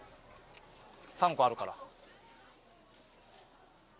３個あるから。